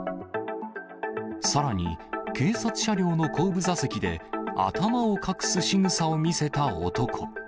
さらに警察車両の後部座席で頭を隠すしぐさを見せた男。